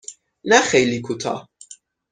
نه خیلی کوتاه.